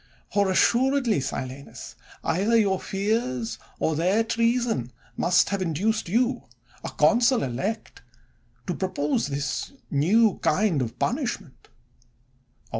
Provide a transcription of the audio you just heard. For assuredly, Silanus, either your fears, or their treason, must have in duced you, a consul elect, to propose this new kind of punishment.